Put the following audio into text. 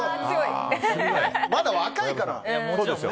まだ若いから。